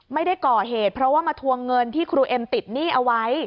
ไม่ได้ก่อเหตุเพราะว่ามาทวงเงินที่ครูเอ็มติดหนี้เอาไว้